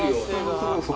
そうそう。